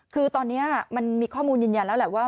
คือตอนนี้มันมีข้อมูลยืนยันแล้วแหละว่า